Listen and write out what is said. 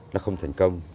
nó không thành công